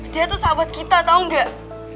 dia tuh sahabat kita tau gak